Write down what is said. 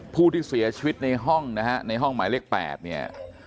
ผู้ที่เสียชีวิตในห้องนะฮะในห้องหมายเลข๘เนี่ย